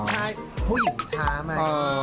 ใช่ผู้หญิงช้ามา